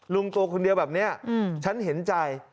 ลุงตัวคนเดียวแบบนี้ฉันเห็นใจ